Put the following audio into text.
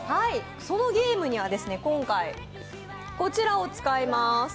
そのゲームには今回、こちらを使います。